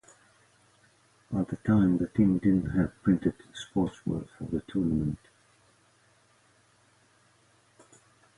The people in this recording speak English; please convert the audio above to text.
At the time, the team didn't have printed sportswear for the tournament.